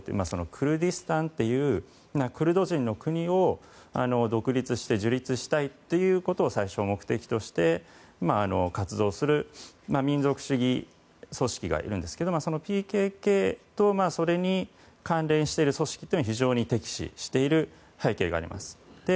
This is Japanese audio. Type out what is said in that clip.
クルディスタンというクルド人の国を独立して樹立したいということを最終目的として活動する民族主義組織がいるんですけどＰＫＫと、それに関連している組織というのは非常に敵視している背景があります。